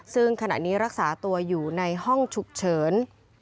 ซึ่งขณะนี้รักษาตัวอยู่ในห้องฉุกเฉิน